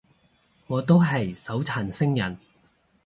我都係手殘星人